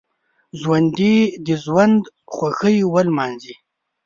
ژوندي د ژوند خوښۍ ولمانځي